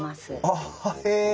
あっへえ！